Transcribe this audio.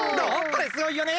これすごいよね！